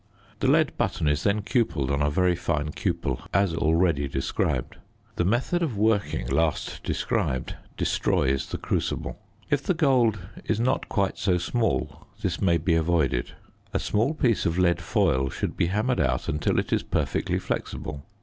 The lead button is then cupelled on a very fine cupel, as already described. The method of working last described destroys the crucible. If the gold is not quite so small this may be avoided. A small piece of lead foil should be hammered out until it is perfectly flexible.